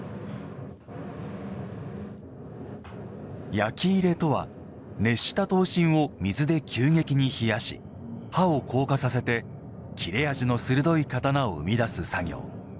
焼き入れとは熱した刀身を水で急激に冷やし刃を硬化させて切れ味の鋭い刀を生み出す作業。